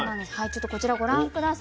ちょっとこちらご覧下さい。